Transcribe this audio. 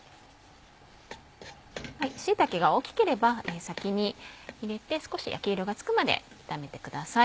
椎茸が大きければ先に入れて少し焼き色がつくまで炒めてください。